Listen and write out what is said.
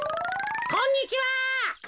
こんにちは！